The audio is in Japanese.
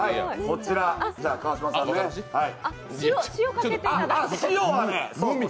こちら、川島さんにね。